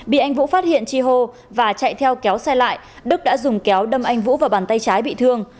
bị anh vũ phát hiện chi hô và chạy theo kéo xe lại đức đã dùng kéo đâm anh vũ vào bàn tay trái bị thương